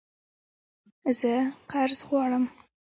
زه قرض غواړم